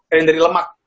ada yang dari lemak